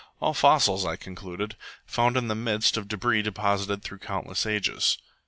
"All fossils," I concluded, "found in the midst of debris deposited through countless ages."